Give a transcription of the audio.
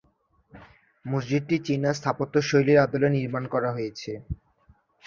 মসজিদটি চীনা স্থাপত্য শৈলীর আদলে নির্মাণ করা হয়েছে।